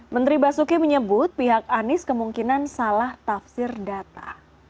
menteri basuki menyebut pihak anies kemungkinan salah tafsir data